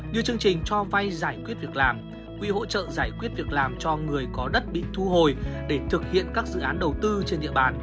như chương trình cho vay giải quyết việc làm quy hỗ trợ giải quyết việc làm cho người có đất bị thu hồi để thực hiện các dự án đầu tư trên địa bàn